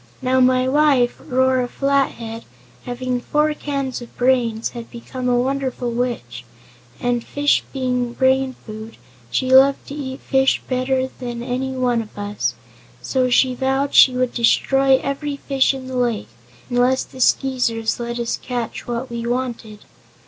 "Now, my wife, Rora Flathead, having four cans of brains, had become a wonderful witch, and fish being brain food, she loved to eat fish better than any one of us. So she vowed she would destroy every fish in the lake, unless the Skeezers let us catch what we wanted.